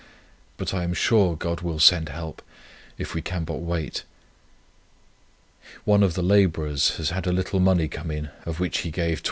But I am sure God will send help, if we can but wait. One of the labourers had had a little money come in of which he gave 12s.